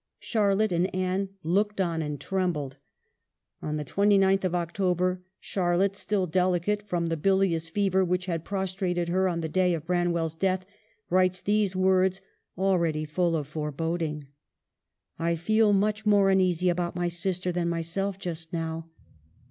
Charlotte and Anne looked on and trembled. On the 29th of October, Charlotte, still delicate from the bilious fever which had prostrated her on the day of Branwell's death, writes these words already full of foreboding :" I feel much more uneasy about my sister than myself just now.